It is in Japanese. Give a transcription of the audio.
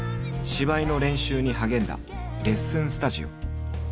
芝居の練習に励んだレッスンスタジオ。